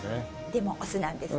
でもオスなんですね。